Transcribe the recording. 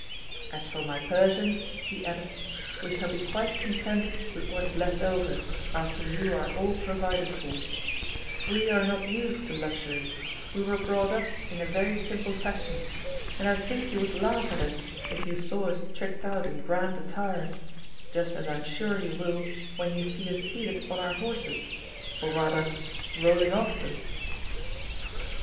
As for my Persians," he added, "we shall be quite content with what is left over, after you are all provided for; we are not used to luxury, we were brought up in a very simple fashion, and I think you would laugh at us if you saw us tricked out in grand attire, just as I am sure you will when you see us seated on our horses, or, rather, rolling off them."